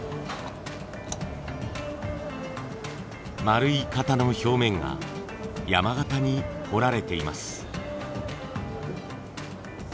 丸い型の表面が山型に彫られています。